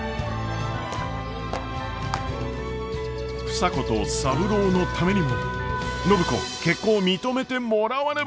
房子と三郎のためにも暢子結婚を認めてもらわねば。